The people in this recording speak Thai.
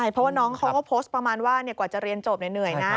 เพราะว่าน้องเขาก็โพสต์ประมาณว่ากว่าจะเรียนจบเหนื่อยนะ